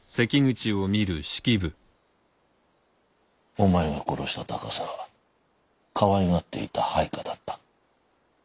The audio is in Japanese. お前が殺した高瀬はかわいがっていた配下だった。